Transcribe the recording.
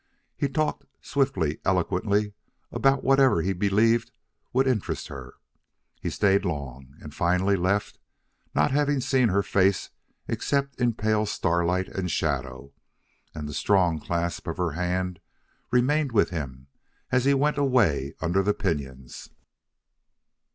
He talked, swiftly, eloquently, about whatever he believed would interest her. He stayed long, and finally left, not having seen her face except in pale starlight and shadow; and the strong clasp of her hand remained with him as he went away under the pinyons.